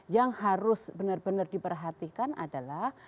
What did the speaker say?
yang harus benar benar diperhatikan adalah